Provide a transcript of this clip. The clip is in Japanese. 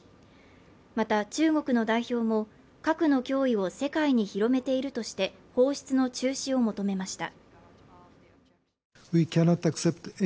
また中国の代表も核の脅威を世界に広めているとして放出の中止を求めました